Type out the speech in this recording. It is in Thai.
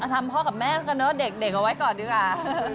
ทำพ่อกับแม่แล้วกันเนอะเด็กเอาไว้ก่อนดีกว่า